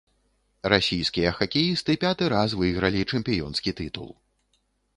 Расійскія хакеісты пяты раз выйгралі чэмпіёнскі тытул.